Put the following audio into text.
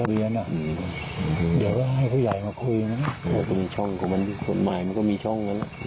เดี๋ยวให้ผู้ใหญ่มาคุยนะปกปืนช่องกับคนที่หมายก็มีช่อง